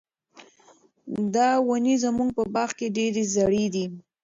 دا ونې زموږ په باغ کې ډېرې زړې دي.